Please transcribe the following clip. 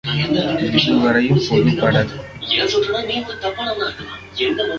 இருவரையும் பொதுப்படக்